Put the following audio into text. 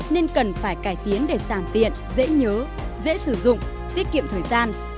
nên cần phải cải tiến để sàng tiện dễ nhớ dễ sử dụng tiết kiệm thời gian